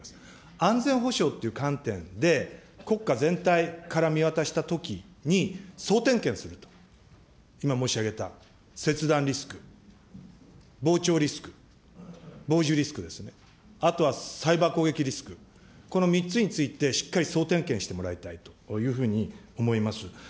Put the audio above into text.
安全保障という観点で、国家全体から見渡したときに、総点検すると、今申し上げた切断リスク、傍聴リスク、傍受リスクですね、あとはサイバー攻撃リスク、この３つについて、しっかり総点検してもらいたいというふうに思います。